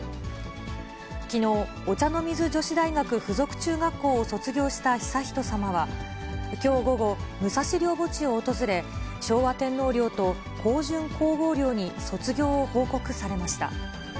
きのう、お茶の水女子大学附属中学校を卒業した悠仁さまは、きょう午後、武蔵陵墓地を訪れ、昭和天皇陵と香淳皇后陵に卒業を報告されました。